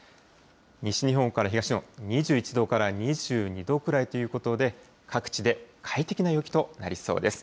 西日本から東日本、２１度から２２度くらいということで、各地で快適な陽気となりそうです。